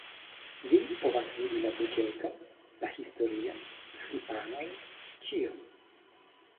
Vi povas vidi la buĝeton, la historion, skipanojn, ĉion